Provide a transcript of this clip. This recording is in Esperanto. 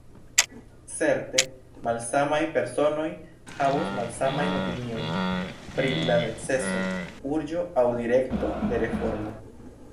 Certe malsamaj personoj havos malsamajn opiniojn pri la neceso, urĝo aŭ direkto de reformo.